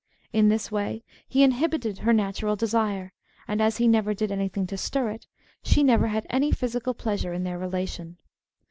In this way he inhibited her natural desire, and as he never did anything to stir it, she never had any physical pleasure in their relation.